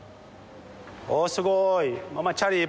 おおすごい！